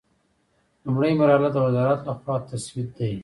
لومړۍ مرحله د وزارت له خوا تسوید دی.